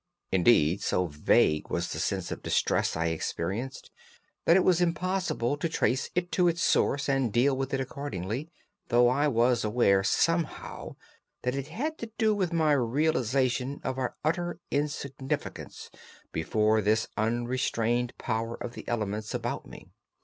Indeed, so vague was the sense of distress I experienced, that it was impossible to trace it to its source and deal with it accordingly, though I was aware somehow that it had to do with my realization of our utter insignificance before this unrestrained power of the elements about me.